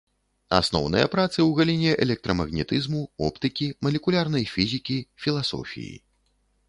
Асноўныя працы ў галіне электрамагнетызму, оптыкі, малекулярнай фізікі, філасофіі.